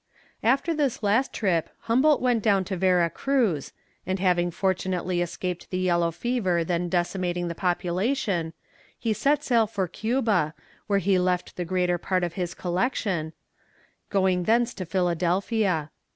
After this last trip Humboldt went down to Vera Cruz, and having fortunately escaped the yellow fever then decimating the population, he set sail for Cuba, where he had left the greater part of his collection, going thence to Philadelphia.